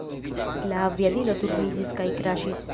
La aviadilo turniĝis kaj kraŝis.